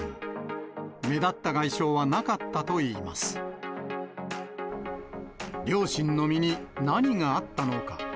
発見当時、両親の身に何があったのか。